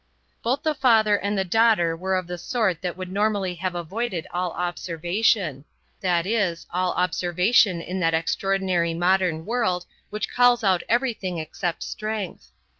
Both the father and the daughter were of the sort that would normally have avoided all observation; that is, all observation in that extraordinary modern world which calls out everything except strength.